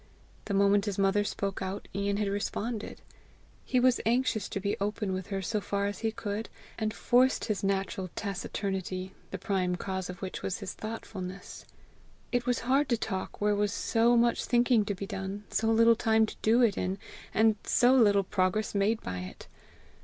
The moment his mother spoke out, Ian had responded. He was anxious to be open with her so far as he could, and forced his natural taciturnity, the prime cause of which was his thoughtfulness: it was hard to talk where was so much thinking to be done, so little time to do it in, and so little progress made by it!